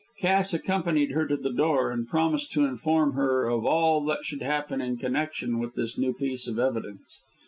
Cass accompanied her to the door, and promised to inform her of all that should happen in connection with this new piece of evidence.